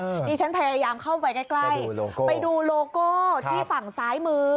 ดิฉันพยายามเข้าไปใกล้ใกล้ไปดูโลโก้ที่ฝั่งซ้ายมือ